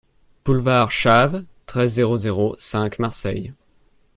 Boulevard Chave, treize, zéro zéro cinq Marseille